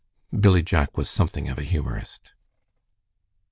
Billy Jack was something of a humorist.